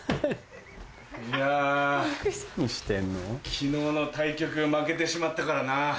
いや昨日の対局負けてしまったからな。